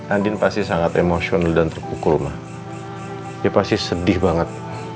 andin pasti sangat emosional dan terpukul mah dia pasti sedih banget